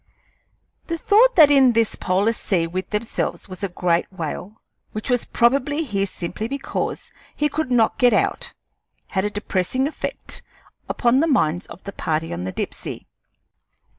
The thought that in this polar sea with themselves was a great whale, which was probably here simply because he could not get out, had a depressing effect upon the minds of the party on the Dipsey.